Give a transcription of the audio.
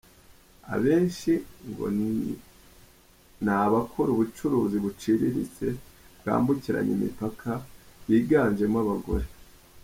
Abenshi ngo ni abakora ubucuruzi buciriritse, bwambukiranya imipaka biganjemo abagore.